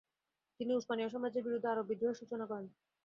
তিনি উসমানীয় সাম্রাজ্যের বিরুদ্ধে আরব বিদ্রোহের সূচনা করেন।